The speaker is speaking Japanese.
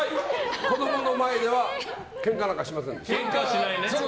子供の前ではケンカなんかしませんでした。